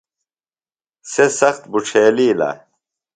سےۡ سخت بُڇھیلِیلہ۔